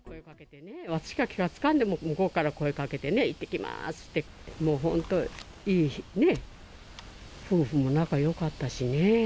私が気が付かんでも向こうから声かけてね、いってきまーすってね、もう本当、いいね、夫婦も仲よかったしね。